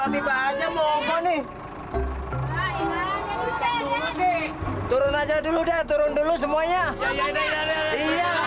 dibenerin dulu nih